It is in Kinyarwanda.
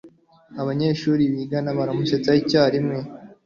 Abanyeshuri bigana baramusetse icyarimwe.